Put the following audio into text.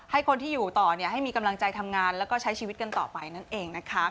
ให้คนที่อยู่ต่อให้มีกำลังใจทำงานแล้วก็ใช้ชีวิตกันต่อไปนั่นเองนะคะ